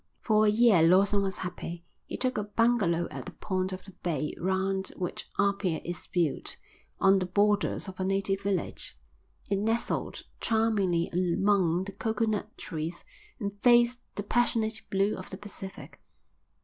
For a year Lawson was happy. He took a bungalow at the point of the bay round which Apia is built, on the borders of a native village. It nestled charmingly among the coconut trees and faced the passionate blue of the Pacific.